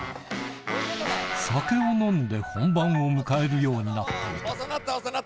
酒を飲んで本番を迎えるようになっていた。